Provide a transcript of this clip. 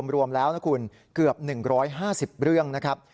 รวมแล้วนะคุณเกือบ๑๕๐เรื่องนะครับ